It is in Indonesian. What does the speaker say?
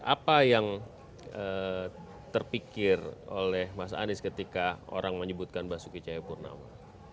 apa yang terpikir oleh mas anies ketika orang menyebutkan basuki cahayapurnama